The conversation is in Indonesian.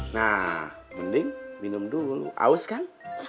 nah mending minum dulu aus kan